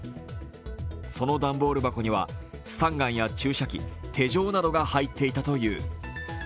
その段ボール箱には、スタンガンや注射器手錠などが入っていたという。